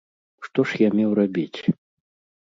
Што ж я меў рабіць?